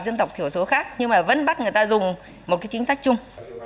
nhưng mà vẫn bắt người ta dùng một chính sách chung